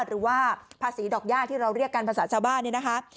หรือว่าภาษีดอกย่าที่เราเรียกกันภาษาชาวบ้านเนี่ยนะคะ